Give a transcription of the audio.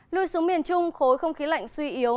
lui xuống miền trung khối không khí lạnh suy yếu